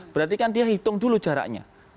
berarti kan dia hitung dulu jaraknya